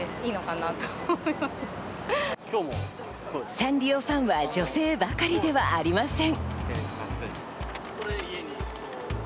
サンリオファンは女性ばかりではありません。